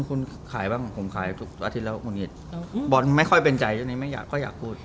คุณขายบ้างผมขายทุกอาทิตย์แล้วบอลไม่ค่อยเป็นใจไม่ค่อยอยากพูด